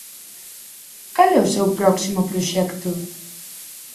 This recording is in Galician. Cal é o seu próximo proxecto?